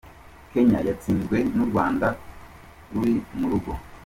Kenya yatsinzwe n'u Rwanda ruri mu rugo.